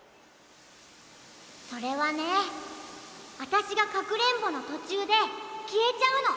それはねあたしがかくれんぼのとちゅうできえちゃうの！